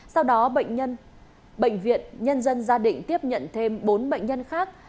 sau đó bệnh viện nhân dân gia định tiếp nhận thêm bốn bệnh nhân khác